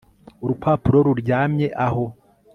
Urupapuro ruryamye aho